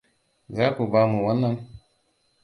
Za ku bamu wannan?